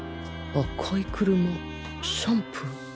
赤い車シャンプー